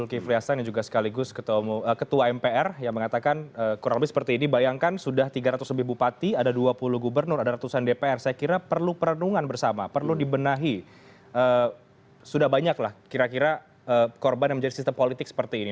kira kira korban yang menjadi sistem politik seperti ini